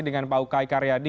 dengan pak ukay karyadi